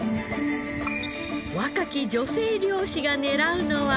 若き女性漁師が狙うのは。